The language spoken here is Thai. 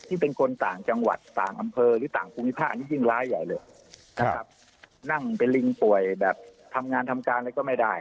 เป็นคนต่างจังหวัดต่างอำเภอหรือต่างภูมิภาคนี้ยิ่งร้ายใหญ่เลยนะครับนั่งเป็นลิงป่วยแบบทำงานทำการอะไรก็ไม่ได้